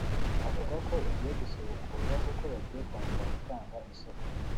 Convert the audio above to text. Avuga ko ugiye gusubukurwa kuko bagiye kongera gutanga isoko